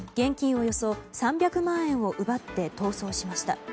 およそ３００万円を奪って逃走しました。